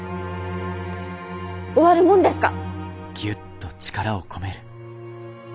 終わるもんですか！